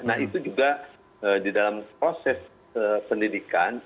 nah itu juga di dalam proses pendidikan